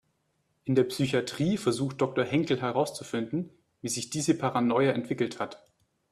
In der Psychatrie versucht Doktor Henkel herauszufinden, wie sich diese Paranoia entwickelt hat.